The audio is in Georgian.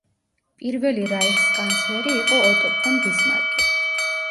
პირველი რაიხსკანცლერი იყო ოტო ფონ ბისმარკი.